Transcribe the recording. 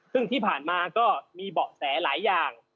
ซึ่งที่ผ่านมาก็มีเบาะแสหลายอย่าง